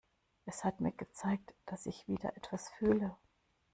Es hat mir gezeigt, dass ich wieder etwas fühle.